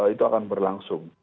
itu akan berlangsung